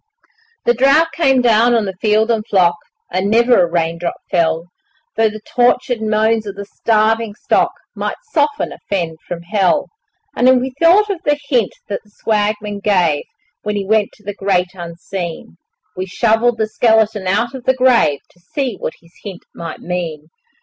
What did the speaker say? ..... The drought came down on the field and flock, And never a raindrop fell, Though the tortured moans of the starving stock Might soften a fiend from hell. And we thought of the hint that the swagman gave When he went to the Great Unseen We shovelled the skeleton out of the grave To see what his hint might mean.